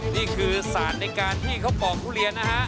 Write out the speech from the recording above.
นี่คือศาลในการที่เขาปอกครูเลียนะฮะ